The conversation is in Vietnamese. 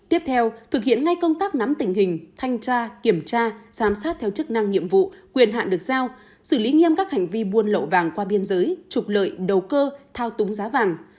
tiếp theo thực hiện ngay công tác nắm tình hình thanh tra kiểm tra giám sát theo chức năng nhiệm vụ quyền hạn được giao xử lý nghiêm các hành vi buôn lậu vàng qua biên giới trục lợi đầu cơ thao túng giá vàng